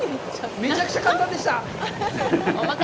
めちゃくちゃ簡単でした！